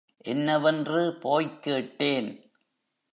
என்னவென்று போய்க் கேட்டேன்.